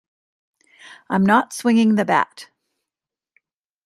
I'm not swinging the bat.